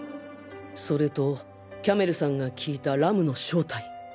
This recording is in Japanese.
それとキャメルさんが聞いたラムの正体